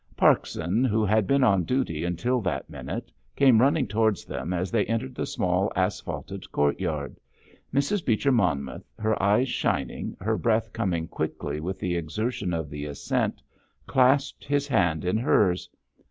Parkson, who had been on duty until that minute, came running towards them as they entered the small asphalted courtyard. Mrs. Beecher Monmouth, her eyes shining, her breath coming quickly with the exertion of the ascent, clasped his hand in hers.